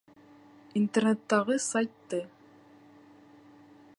Интернеттағы сайты